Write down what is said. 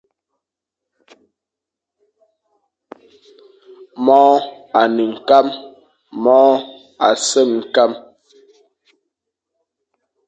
Môr a ne kam, môr a sem kam,